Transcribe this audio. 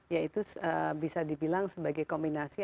yaitu bisa dibilang sebagai kombinasi